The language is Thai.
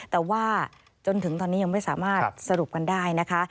แต่ว่าจนถึงตอนนี้ยังไม่สามารถสรุปกันได้นะคะ